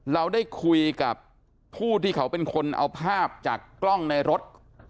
เราได้คุยกับผู้ที่เขาเป็นคนเอาภาพจากกล้องในรถ